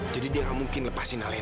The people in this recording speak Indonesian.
jadi dia nggak mungkin lepasin alena